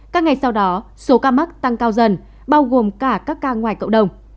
các ngày sau đó số ca mắc tăng cao dần bao gồm cả các ca ngoài cộng đồng